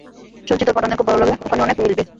শুনেছি তোর পাঠানদের খুব ভালো লাগে, ওখানে অনেক মিলবে।